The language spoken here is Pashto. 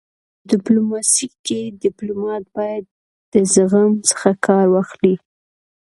په ډيپلوماسی کي ډيپلومات باید د زغم څخه کار واخلي.